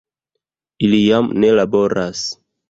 Ili jam ne laboras.